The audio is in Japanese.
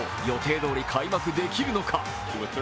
予定どおり開幕できるのか？